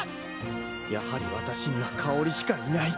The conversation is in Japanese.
やはりわたしには香織しかいない。